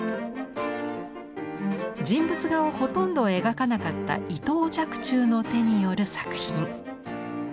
人物画をほとんど描かなかった伊藤若冲の手による作品。